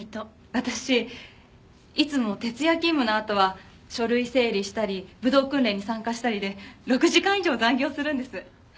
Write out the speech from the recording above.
私いつも徹夜勤務のあとは書類整理したり武道訓練に参加したりで６時間以上残業するんです。